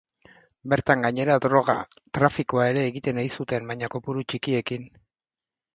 Bertan, gainera, droga-trafikoa ere egiten ei zuten, baina kopuru txikiekin.